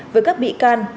với các bị can